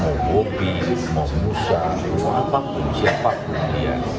mau bobi mau musa mau apapun siapapun